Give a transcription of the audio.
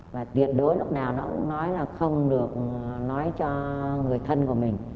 và tuyệt đối lúc nào nó cũng nói là không được nói cho người thân của mình